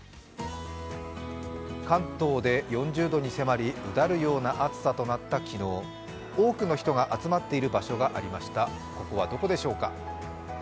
関東で４０度に迫りうだるような暑さとなった昨日多くの人が集まっている場所がありました、ここはどこでしょうか。